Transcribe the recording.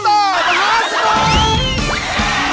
สำหรับทุกคน